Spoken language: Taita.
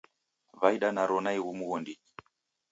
Waida naro naighu mghondinyi.